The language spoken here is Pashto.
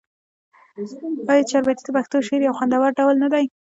آیا چهاربیتې د پښتو شعر یو خوندور ډول نه دی؟